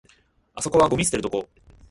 あそこはゴミ捨てるとこ